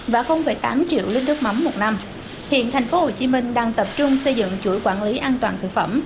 và tám triệu lít nước mắm một năm hiện tp hcm đang tập trung xây dựng chuỗi quản lý an toàn thực phẩm